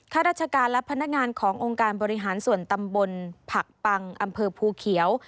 ข้าราชการและพนักงานขององค์การบริหารส่วนตำบลผักปังอำเภอภูเขียว